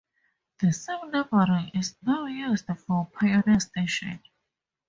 The same numbering is now used for Pioneer Station.